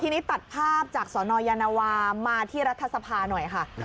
ทีนี้ตัดภาพจากสนยานวามาที่รัฐสภาหน่อยค่ะ